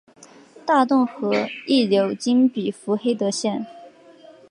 大洞河亦流经比弗黑德县。